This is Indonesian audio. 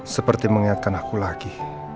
seperti mengingatkan aku lagi